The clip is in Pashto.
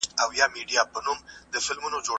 نرکس پر اقتصادي پرمختيا خپل ټينګار کړی و.